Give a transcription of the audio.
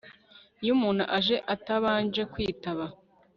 iyo umuntu aje atabanje kwitaba